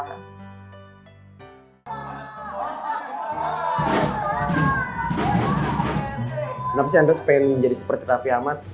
kenapa sih andres pengen jadi seperti tafi ahmad